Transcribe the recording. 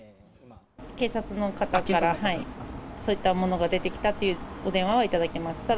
警察の方から、そういったものが出てきたというお電話は頂きました。